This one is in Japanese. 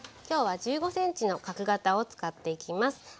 きょうは１５ｃｍの角型を使っていきます。